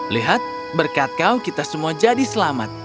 lihat berkat kau kita semua jadi selamat